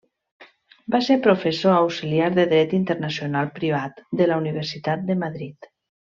Va ser professor auxiliar de Dret Internacional Privat de la Universitat de Madrid.